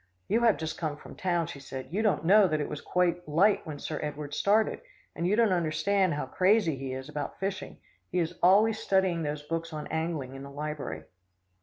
"You have just come from town," she said, "you don't know that it was quite light when Sir Edward started, and you don't understand how crazy he is about fishing. He is always studying those books on angling in the library."